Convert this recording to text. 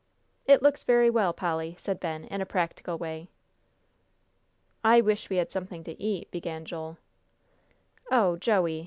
"It looks very well, Polly," said Ben, in a practical way. "I wish we had somethin' to eat," began Joel. "Oh, Joey!"